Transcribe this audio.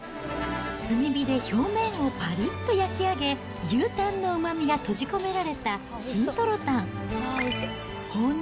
炭火で表面をぱりっと焼き上げ、牛タンのうまみが閉じ込められた真とろたん。